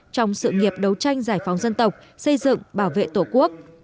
trong sự nghiệp đấu tranh giải phóng dân tộc xây dựng bảo vệ tổ quốc